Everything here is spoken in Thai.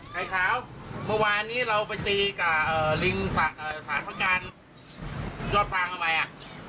ไข่ขาวเมื่อวานนี้เราไปตีกับเอ่อลิงศาสตร์เอ่อศาสตร์พระการยอดปังทำไมอ่ะ